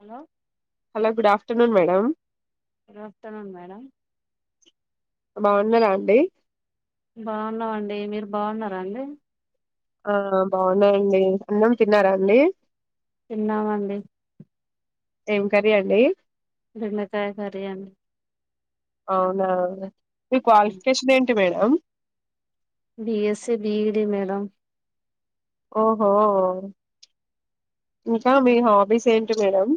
Hello hello good afternoon మ్యా లో good afternoon madam బాగున్నార అండి బాగున్నావండి మీరు బాగున్నారాండి ఆ బాగున్నాయండి అన్నం తిన్నారా అండి తిన్నమండి ఏం కర్రీ అండి బెండకాయ కర్రీ అండి అవునా మీ క్వాలిఫికేషన్ ఏంటి madam hello BSc BEd madam ఓహో ఇంకా మీ హాబీస్ ఏంటి మేడం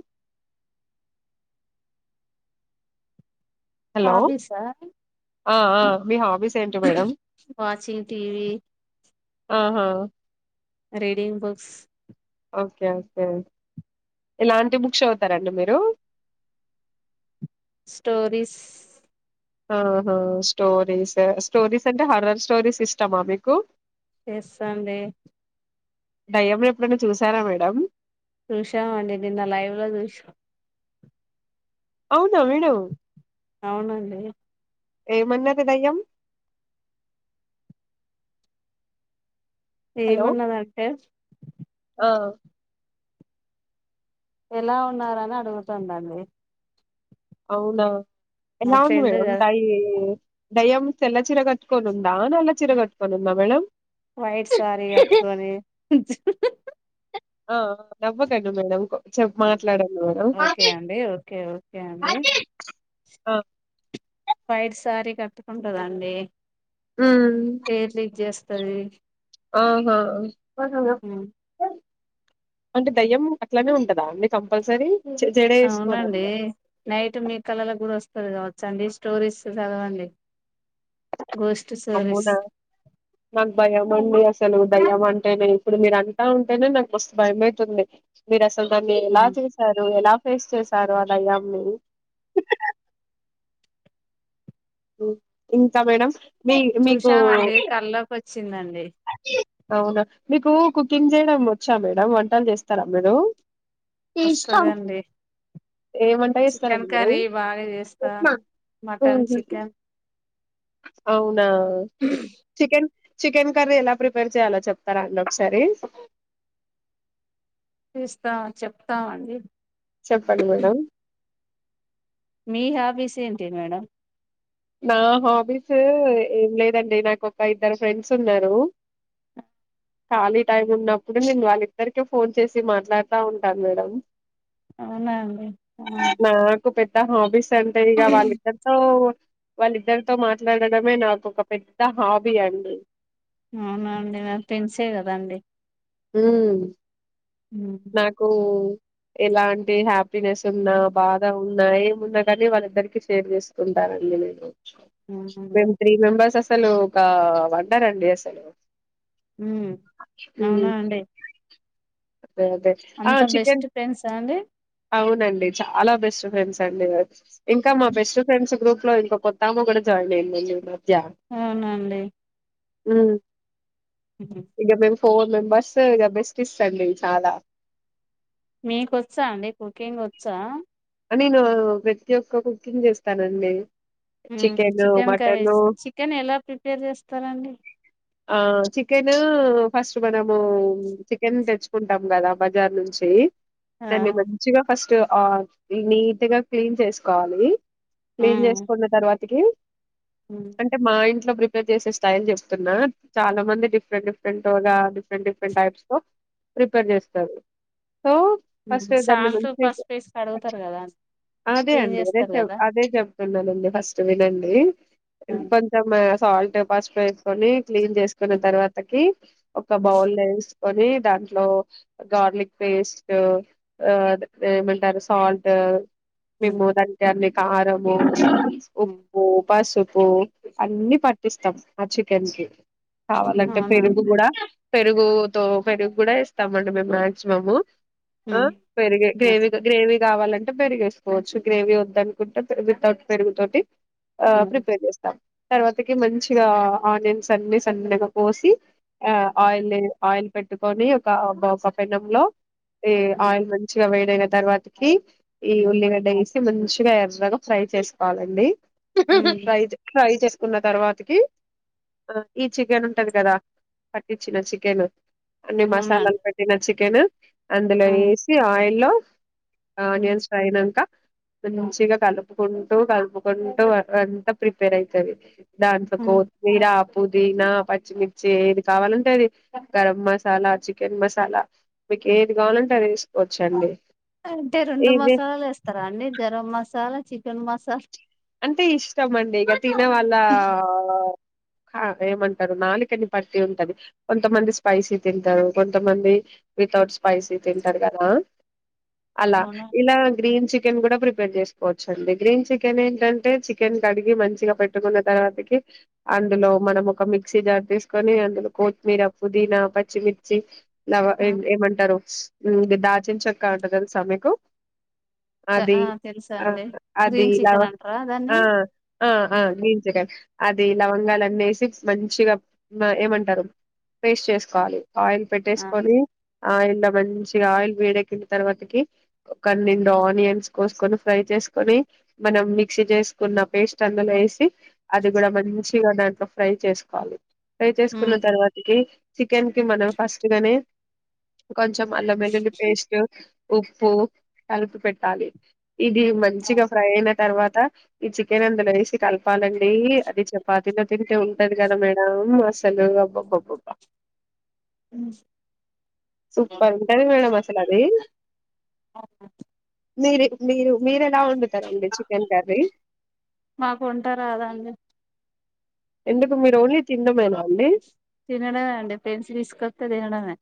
హోబిస్ ఆ అ అ మీ హోబిస్ వాచింగ్ టీవీ ఆహా రీడింగ్ బుక్స్ ఓకే ఓకే ఎలాంటి బుక్స్ చదువుతారండి మీరు స్టోరీస్ హా హా స్టోరీస్ స్టోరీస్ అంటే హరర్ స్టోరీస్ ఇష్టమా మీకు ఎస్ అండి డయ్యంని ఎప్పుడైనా చూసారా మేడం చూషా అండీ నిన్న లైవ్ లో చూషం అవునా మేడం అవునండి ఏమన్నది దయ్యం హలో ఏమన్నదంటే ఆ ఎలా ఉన్నారు అని అడుగుతుందండి అవునా మా ఎలా వుంది ఫ్రెండ్ మేడం కదా టైయి దయ్యం తెల్ల చీర కట్టుకోని ఉందా నల్ల చిర కట్టుకొని ఉందా మేడం వైట్ సారీ గట్టుకొని ఆ నవ్వకండి మేడం కొ చెప్పు మాట్లాడండి మేడం అండే ఆ వైట్ సారీ కట్టుకుంటదండి హ్మ్. హెయిర్ లీవ్ జేస్ అది ఆహా అంటే దయ్యం అట్లనే ఉంటదా అండి కంపల్సరీ జ జడ అవునండి వేసుకోదన్నమాట నైట్ మీ కళలకు కూడా వస్ వస్తది కావచ్చండి స్టోరీస్ చదవండి. గోస్ట్ స్టోరీస్ అమ్మోనా నాకు భయం మండి అస్ సలు దయ్యం అంటేనే ఇప్పుడు మీరు అంటా ఉంటేనే, నాకు మస్త్ భయమయితుంది. మీరు అస్ ల్ దాన్ని ఎలా చూసారు ఎలా ఫేస్ చేసారు ఆ దయ్యామ్ ని ఉ ఇంకా మేడం మీ మీకు చూసామండి కల్లోకి వచ్చిందండి అవునా మీకు కుకింగ్ చేయడం వచ్చా మేడం వంటలు చేస్తారా మీరు వస్తదండి ఏ వంట చికెన్ చేస్తారండి మీరు కర్రీ బాగా చేస్తా. మటన్, ఊహు. చికెన్. అవునా చికెన్ చికెన్ కర్రీ ఎలా ప్రిపేర్ చేయాలో చెప్తారా అండి. ఒకసారి ఇస్తాం చెప్తామండి చెప్పండి మేడం మీ హాబీస్ ఏంటి మేడం నా హాబీస్ ఏం లేదండి. నాకోక ఇద్దరు ఫ్రెండ్స్ ఉన్నారు. ఖాళీ టైం ఉన్నప్పుడు నేను వాళ్ళిద్దరికే ఫోన్ చేసి మాట్లాడుతా ఉంటాను మేడం. అవునా అండి త హాబీస్ సండే ఇగా వాల్లిద్దరితో పో వాళ్ళిద్దరితో మాట్లాడడమే నాకొక పెద్ద హాబీ అండి. అవునా అండి మ పెన్సెకదాండి హూ నాకూ ఎలాంటి హ్యాపీనెస్ ఉన్నా, బాధ ఉన్నా, ఏమున్నా గానీ, వాళ్ళిద్దరికే షేర్ చేసుకుంటానండి నేను. అవునండి మేం త్రీ మెంబర్సస్ అస్ అసలు ఒక వండర్ అండి అసలు ఊ అవునా హ్మ్. అండి. అదే అదే ఆ అంత చికెన్ బెస్ట్ ఫ్రెండ్సా అండి అవునండి చాలా బెస్ట్ ఫ్రెండ్స్ అండిగా ఇంకా మా బెస్ట్ ఫ్రెండ్స్ గ్రూప్ లో ఇంకొత్తమ్మ కూడా జాయిన్ అయిందండి నాకు అవునాండి ఊ హు హు ఫోర్ మెంబర్స్ ఇగ బెస్టిస్ అండి చాలా మీకొచ్చా అండి కుకింగోచ్చా నేను ప్రతి ఒక్క కుకింగ్ చేస్తానండి ఊం చికెన్ కరీజ్ చికెన్ ఎలా ప్రిపేర్ చేస్తారండి? ఆ చికెన్ ఫస్ట్ మనము చికెన్ తెచ్చుకుంటాం కదా బజార్ నుంచి ఆ దాన్ని మంచిగా ఫస్ట్ ఆ ఈ నీటీగా క్లీన్ చేసుకోవాలి ఆ క్లీన్ చేసుకున్న తర్వాతికి అంటే మా ఇం లో ప్రిపేర్ చేసే స్టైల్ చెప్తున్నా చాలా మంది డిఫరెంట్ డిఫరెంట్గా డిఫరెంట్ డిఫరెంట్ టైప్స్ లో ప్రిపేర్ చేస్తారు సో ఉమ్ ఫస్ట్ దాన్ని సాల్ట్ మంచి పసుపేసీ కడుగు అదే అండి అదే చె కదా అదే చెబుతున్నానండి ఫస్ట్ వినండీ మ్మ్. కొంచం బొయా సాల్ట్ పసుపు వేసుకొని క్లీన్ చేసుకున్న తర్వాతకి ఒక మ్మ్. బౌల్లెసి కొని దాంట్లో గార్లిక్ పేస్ట్ ఆ ఏమంటారు సాల్ట్ మేమ్ మ్మ్. మో దానికి అన్ని క్ కారము మ్మ్. ఉప్పు పసు పో అన్నిీ పట్టిస్తాం ఆ చికెన్ కి కావాలంటే అవునా పెరుగు కూడా పెరుగుతో పెరుగు కూడా ఎస్తామండి మేము మాక్సిమమ్ ఆ మ్మ్. పెరిగె గ్రేవికు గ్రేవి కావాలంటే పెరుగేసుకోవచ్చు గ్రేవీ వద్దనుకుంటే వితౌట్ పెరుగు తోటి ఆ మ్మ్. ప్రిపేర్ చేస్తాం తర్వాతకి మంచిగా ఆనియన్స్ అన్నిీ సన్నగా కోసి ఆ ఆయిలే ఆయిల్ పెట్టుకొని ఒక ఒక పెన్నంలో ఏ మ్మ్. ఆయిల్ మం చిగా వే డైన తర్వాత ఈ ఉల్లిగడ్డ వేసి మంచిగా ఎర్రగా ఫ్రై చేసుకోవాలండి మ్మ్. ఫ్రై చే ఫ్రై చే ఉన్న తర్వాతకి ఆ ఈ చికెన్ ఉంటది కదా పట్టించిన చికెన్ అన్ని మసాలాలు అవునండి పెట్టిన చి ఓకే నా అందులో మ్మ్. వేసి ఆయిల్ లో [inaudible] మ్మ్. ఆనిన్స్ ఫ్రై నంక మంచిగా కలుపుకుంటూ కలుపుకుంటూ అంతా ప్రిపేర్ అయ్తది దాంట్లో మ్మ్. కొత్తిమీర ఆప్ పుదీనా పచ్చిమిర్చి ఏది కావాలంటే అది గరం మసాలా చికెన్ మసాలా మీకు ఏది కావాలంటే అది తీసుకోవచ్చండి అంటే రెండు మసాలాలు వేస్తారా అండి గరం మసాలా చిక్ చికెన్ మసాల్ అంటే ఇష్టం అండి ఇక తినే వాళ్ళ ఆ ఆ ఏమంటారు నాలుకనీ బట్టి ఉంటది కొంతమంది స్పైసీ తింటారు కొంతమంది వితౌట్ స్పైసీ తింటారు కదా అలా అవునా ఇలా గ్రీన్ చిక్ చికెన్ కూడా ప్రిపేర్ చేసుకోవచ్చండి గ్రీన్ చికెన్ ఏ ఎంటంటే చికెన్ కడిగి మంచిగా పెట్టుకున్న తర్వాతకి అందులో మనం ఒక మిక్సీ జార్ తీసుకొని అందులో కొత్మీర పుదీనా పచ్చిమిర్చి లవ మ్మ్. ఎన్ ఏమంటారు ఇంగ్ దాల్చిన చక్క అంటె తెలుసా మీకు అది ఆ తెలుసా అండి గ్రీన్ చికెన్ అంటార ఆఅ ఆ గ్రీన్ చికెన్ అది లవంగాలు అన్ని వేసి మంచిగా ఏమంటారు పేస్ట్ చేసుకోవాలి ఆయిల్ ఆ పెట్టేసుకొని ఆయిల్లో మంచిగా ఆయిల్ వేడెక్కిన తర్వాతకి ఒక రెండు ఆనియన్స్ కోసుకొని ఫ్రై చేసుకొని మనం మిక్ మిక్సి చేసుకున్న పేస్ట్ అందులో వేసి అది కూడా మంచిగా దాంతో ఫ్రై చేసుకోవాలి ఫ్రై చేసుకున్న ఉమ్ తర్వాతకి చికెన్ కి మనం ఫస్ట్ గానే కొంచ్ గ అల్లంవెల్లుల్లి పేస్ట్ ఉప్పు కలిపి పెట్టాలి ఇది మంచిగా ఫ్రై అయిన తర్వా త ఈ చికెన్ అందులో వేసి కలపాలండీ అది చపాతీలో తింటే ఉంటది కదా మేడం అసలుబ్బబ్బబ్బబ్బా [inaudible] సూపరుంటది మేడం అసలది మీరు మీరు మీర ఎట్లా వండుతారండి చికెన్ కర్రీ మాకు వంట రాదండి ఎందుకు మీరు ఓన్లీ తినడమేనా అండి తినడమే అండి ఫ్రెండ్స్ తీసుకొస్తే తినడమే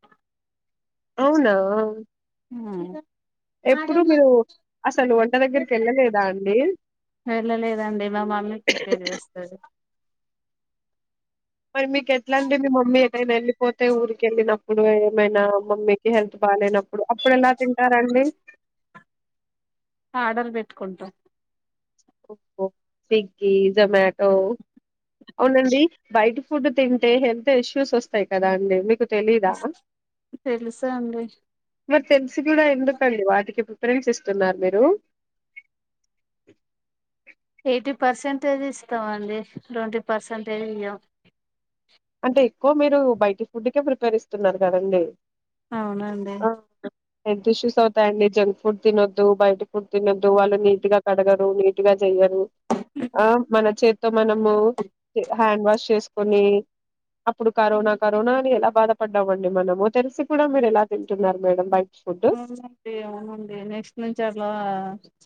అవునా ఎప్పుడు మీరు అసలు వంట దగ్గరికి వెళ్ళలేదా అండి వెళ్ళలేదండి మా మమ్మీ ప్రిపేర్ చేస్తది మరి మీకు ఎట్లాండి మీ మమ్మీ ఎటైనా వెళ్ళిపోతే ఊరికి వెళ్ళినప్పుడు ఏమైనా మమ్మీకి హెల్త్ బాలేనప్పుడు అప్పుడు ఎలా తింటారండి ఆర్డర్ పెట్టుకుంటం స్విగ్గీ జొమాటో అవునండి బైట ఫుడ్ తింటే హెల్త్ ఇష్యూస్ వస్తాయి కదా అండి మీకు తెలీదా తెలుసండి మరి తెలిసి కూడా ఎందుకండి వాటికి ప్రిపరెన్స్ ఇస్తున్నారు మీరు ఎయిటీ పర్సెంటేజెస్ ఇస్తామండి ట్వంటీ పర్సెంటేజ్ అయ్యో అంటే ఎక్కువ మీరు బయటి ఫుడ్కే ప్రిపేర్ ఇస్తున్నారు కదండి అవునండి ఆ! హెల్త్ ఇష్యూస్ అవుతాయండి. జంక్ ఫుడ్ తినొద్దు. బయట ఫుడ్ తినొద్దు. వాళ్ళు నీట్ గా కడగరు నీట్గా చెయ్యరు. ఆ మన చే తో మనము హ్యాండ్ వాష్ చేసుకొని అప్పుడు కరోనా కరోనా అని ఎలా బాధపడ్డామండి మనము తెలిసి కూడా మీరు ఎలా తింటున్నారు మేడం బయ అవునండి అవునండి నెక్స్ట్ నుంచి అట్లా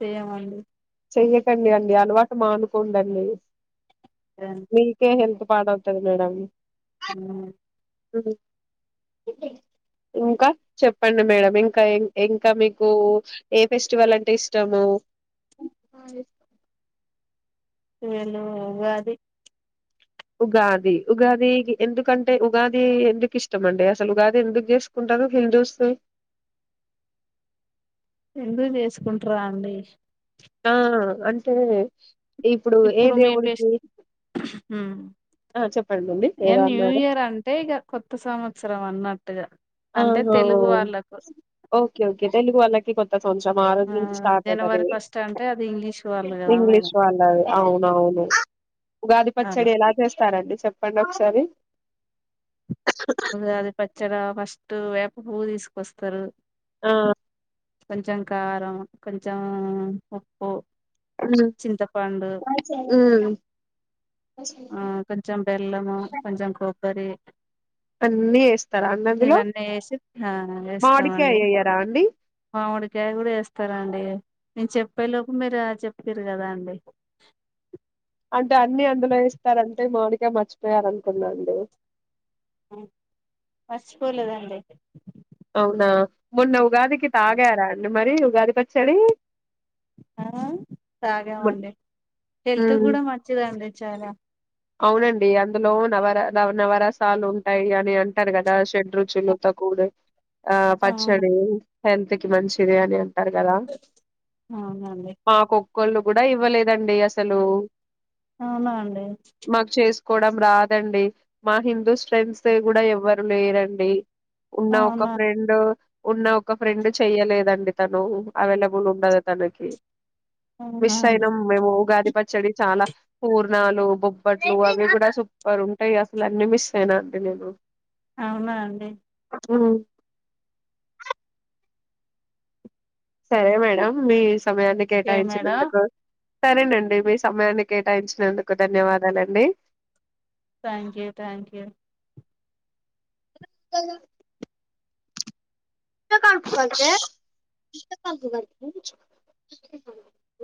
చేయమండి చెయ్యకండి అండి అలవాటు మానుకోండండి మీకే హెల్త్ పాడవుతది మేడమ్ హ్మ్ ఇంకా చెప్పండి మేడం ఇంకా ఇంకా మీకు ఏ ఫెస్టివల్ అంటే ఇష్టము. [inaudible] ఏను ఉగాది ఉగాది ఉగాది ఎందుకంటే ఉగాది ఎందుకు ఇష్టమండి అసలు ఉగాది ఎందుకు జేసుకుంటారు హిందుస్ ఎందుకు జేసుకుంటర అండి ఆ అంటే ఏ ఇప్పుడు మీ పె దేవుడికి ఉ ఆ చెప్పండిండి ఇ ఏదో న్యూ అన్నారు ఇయర్ అంటే ఇక కొత్త సంవత్సరం అన్నట్టు ఆహ ఓకే ఓకే తెలుగు వాళ్ళ కొత్త కొంచం ఆ రోజు నుంచి స్టార్ట్ అవుతది జనవరి ఫస్ట్ అంటే అది ఇంగ్లీష్ వాళ్ళు కదా ఇంగ్లీష్ మేడం వాళ్ళది అవున అవును ఉగాది అలా పచ్చడి ఎలా చేస్తారండి చెప్ పండక్సరి ఉగాది పచ్చడా ఫస్ టు వేప పువ్వు తీసుకొస్తారు ఆ కొంచం కారం కొంచం ఉప్పు చింతపండు ఉమ్ ఆ కొంచెం బెల్లము కొంచెం కొబ్బరి అన్నీ యేస్తారా అండి అందులో ఇవన్నీ వేసి ఆ మాడికాయెయ్యరా అండి అందులో కాయ కూడా యేస్తారండి నేను చెప్పే లోపు మీరు చెప్తారు కదా అండి అంటే అన్ని అందులో యేస్తారంటే మామిడికాయ మర్చిపోయారు అనుకున్నాండు మర్చిపోలేదండి అవునా మొన్న ఉగాదికి తాగారా అండి మరి ఉగాది పచ్చడి ఆ తాగామండి హెల్త్ ఉమ్ గూడా మంచిదండి. చాలా అవునండి అందులో నవర నవరసాలుంటాయి అని అంటారు కదా షె రుచులు తక్కువన్నాయి ఆ అవును పచ్చడి హెల్త్ హెల్త్ కి మంచిదియనే అంతే అంటారు కదా అవునండి మాకు కోళ్లు కూడా ఇవ్వలేదండి. అసలు అవునా అండి. మాకు చేస్త్ కోడం రాదండి మా హిందూ ఫ్రెండ్స్ సైడ్ కూడా ఎవ్వరు లేరండి. ఉన్న ఒక అవునా ఫ్రెండు ఉన్న ఒక ఫ్రెండు చెయ్యలేదండి తను అవైలబుల్ ఉండదు తనకి అవునా అండి మిషయినం మేము ఉగాది పచ్చడి చాలా పూర్నాలు బొబ్బట్లు అవి కూడా సూపర్ ఉంటాయి. అసలు అన్ని మిస్ అయిన అండి నేను అవునా అండి. ఉ సరే మేడం మీ ఇస సమయాన్ని ఓకే మేడం కేటాయించినందుకు. సరేనండి మీ సమయాన్ని కేటాయించినందుకు ధన్యవాదాలండి. Thank you thank you. అ [unintelligible] క ఫ క ఫ [unintelligible]